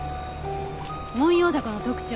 モンヨウダコの特徴。